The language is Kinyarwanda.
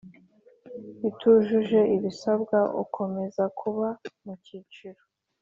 itujuje ibisabwa ukomeza kuba mu cyiciro